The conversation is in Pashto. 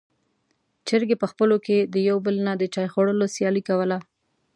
چرګې په خپلو کې د يو بل نه د چای خوړلو سیالي کوله.